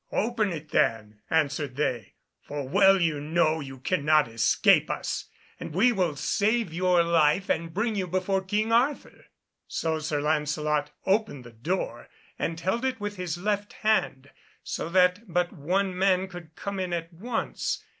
"Open it then," answered they, "for well you know you cannot escape us, and we will save your life and bring you before King Arthur." So Sir Lancelot opened the door and held it with his left hand, so that but one man could come in at once.